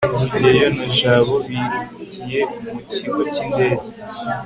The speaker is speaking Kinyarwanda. rugeyo na jabo birukiye mu kigo cy'indege